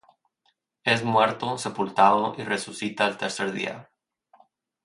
Es muerto, sepultado y resucita al tercer día.